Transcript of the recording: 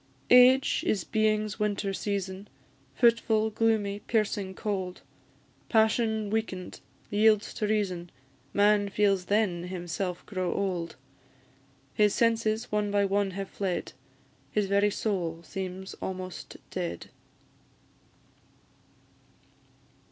Age is being's winter season, Fitful, gloomy, piercing cold; Passion weaken'd, yields to reason, Man feels then himself grown old; His senses one by one have fled, His very soul seems almost dead.